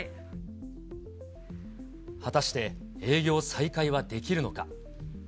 果たして営業再開はできるのか。